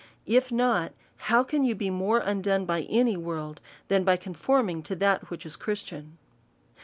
If not, how can you be more undone by any world, than by con forming to that which is Christian